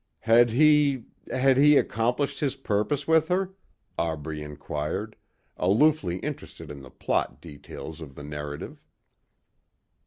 "Had he ... had he accomplished his purpose with her?" Aubrey inquired, aloofly interested in the plot details of the narrative.